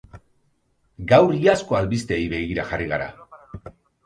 Gaur, iazko albisteei begira jarri gara.